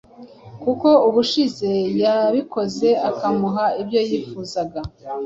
kuko ubushize yabikoze ukamuha ibyo yifuzaga